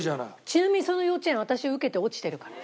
ちなみにその幼稚園私受けて落ちてるから。